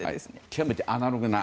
極めてアナログな。